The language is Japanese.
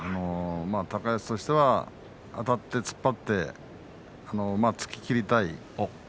高安としては、あたって突っ張って突ききりたい。